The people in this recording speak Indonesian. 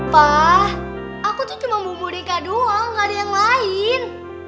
pak aku tuh cuma mau bawa dingkar doang nggak ada yang lain